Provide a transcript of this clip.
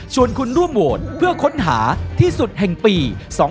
คุณร่วมโหวตเพื่อค้นหาที่สุดแห่งปี๒๕๖